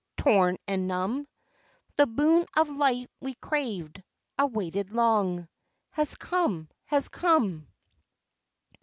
torn and numb, The boon of light we craved, awaited long, Has come, has come!